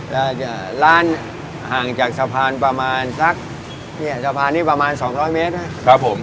แล้วจะร้านห่างจากสะพานประมาณสักเนี่ยสะพานนี้ประมาณสองร้อยเมตรนะครับผม